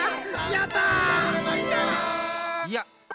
やった！